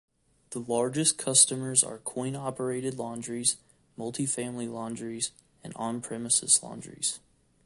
The largest customers are coin-operated laundries, multi-family laundries, and on-premises laundries.